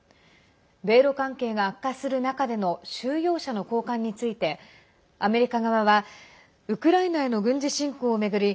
米ロ関係が悪化する中での収容者の交換についてアメリカ側はウクライナへの軍事侵攻を巡り